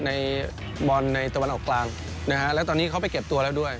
ในบอลในตะวันออกกลางนะฮะแล้วตอนนี้เขาไปเก็บตัวแล้วด้วย